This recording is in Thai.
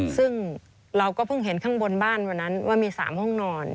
ซึ่งเราก็เพิ่งเห็นข้างบนบ้านวันนั้นว่ามี๓ห้องนอน